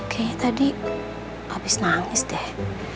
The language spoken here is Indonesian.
kayaknya tadi habis nangis deh